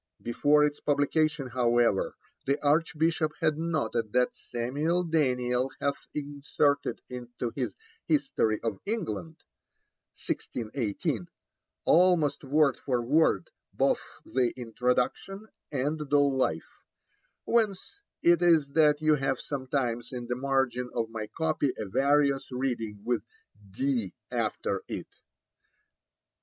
Before its publication, however, the Archbishop had noted that 'Samuel Daniel hath inserted into his History of England , almost word for word, both the Introduction and the Life; whence it is that you have sometimes in the margin of my copy a various reading with "D" after it.'